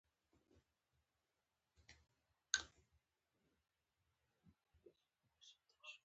د دې پېښو مخنیوي لپاره باید ودانۍ جالۍ تاو کړای شي.